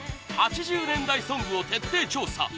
８０年代ソングを徹底調査